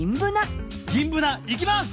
ギンブナいきます！